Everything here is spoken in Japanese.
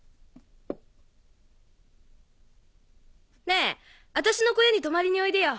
ねぇ私の小屋に泊まりにおいでよ。